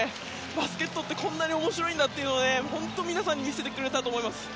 バスケットってこんなに面白いんだって本当、皆さんに見せてくれたと思います。